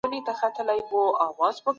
بې وزلو ته پاملرنه وکړئ.